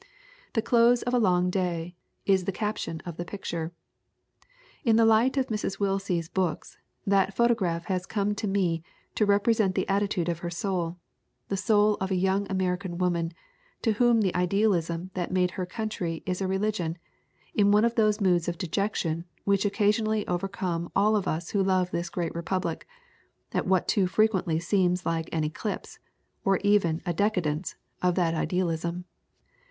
The close of a long day/ is the caption of the picture. In the light of Mrs. Willsie's books, that photograph has come to me to represent the attitude of her soul, the soul of a young American woman, to whom the ideal ism that made her country is a religion, in one of those moods of dejection which occasionally overcome all of us who love this great Republic, at what too fre quently seems like an eclipse, or even a decadence, of that idealism.